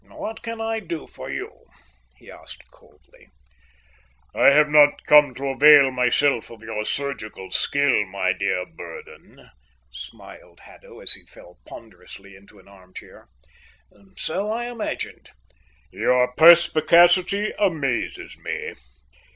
"What can I do for you?" he asked coldly. "I have not come to avail myself of your surgical skill, my dear Burdon," smiled Haddo, as he fell ponderously into an armchair. "So I imagined." "You perspicacity amazes me.